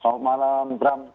selamat malam bram